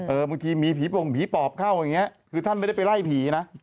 บางทีมีผีปงผีปอบเข้าอย่างเงี้ยคือท่านไม่ได้ไปไล่ผีนะ